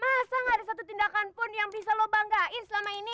masa gak ada satu tindakan pun yang bisa lo banggain selama ini